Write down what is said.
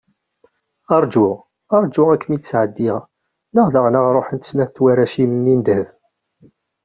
Arǧu, arǧu ad kem-id-sɛeddiɣ, neɣ daɣen ad ruḥent snat n twaracin-nni n ddheb.